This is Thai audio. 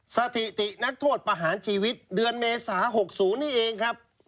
สถิตินักโทษประหารชีวิตเดือนเมษา๖๐นี่เองครับ